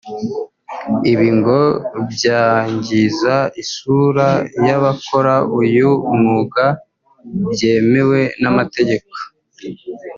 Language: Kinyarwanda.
Ibi ngo byangiza isura y’abakora uyu mwuga byemewe n’amategeko